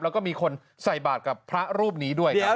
แล้วก็มีคนใส่บาทกับพระรูปนี้ด้วยครับ